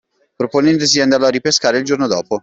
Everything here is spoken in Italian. Proponendosi di andarlo a ripescare il giorno dopo.